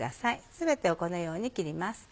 全てをこのように切ります。